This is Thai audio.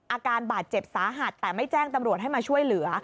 อาการบาดเจ็บสาหัสแต่ไม่แจ้งตำรวจให้มาช่วยเหลือ